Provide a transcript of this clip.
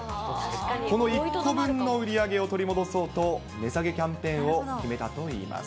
この１個分の売り上げを取り戻そうと、値下げキャンペーンを決めたといいます。